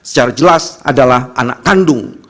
secara jelas adalah anak kandung